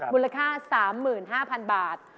มูลค่า๓๕๐๐๐บาท